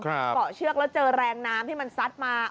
เกาะเชือกแล้วเจอแรงน้ำที่มันซัดมา